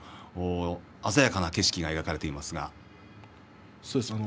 鮮やかな景色が描かれていますね。